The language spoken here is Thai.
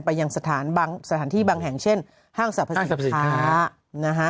ไปยังสถานที่บางแห่งเช่นห้างสรรพสิทธิภาพ